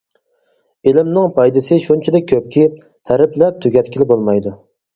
ئىلىمنىڭ پايدىسى شۇنچىلىك كۆپكى، تەرىپلەپ تۈگەتكىلى بولمايدۇ.